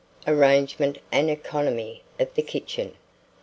ARRANGEMENT AND ECONOMY OF THE KITCHEN.